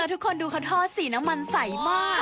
ทุกคนดูเขาทอดสีน้ำมันใสมาก